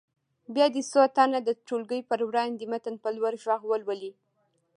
بیا دې څو تنه د ټولګي په وړاندې متن په لوړ غږ ولولي.